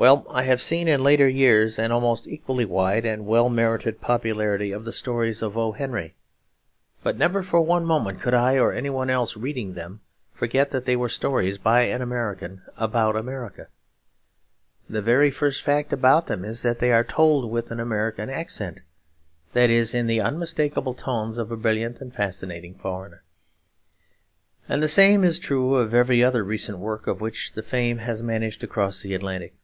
Well, I have seen in later years an almost equally wide and well merited popularity of the stories of O. Henry. But never for one moment could I or any one else reading them forget that they were stories by an American about America. The very first fact about them is that they are told with an American accent, that is, in the unmistakable tones of a brilliant and fascinating foreigner. And the same is true of every other recent work of which the fame has managed to cross the Atlantic.